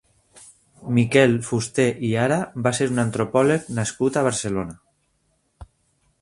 Miquel Fusté i Ara va ser un antropòleg nascut a Barcelona.